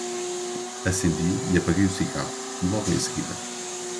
acendi e apaguei o cigarro, logo em seguida